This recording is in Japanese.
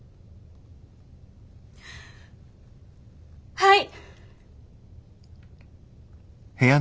はい！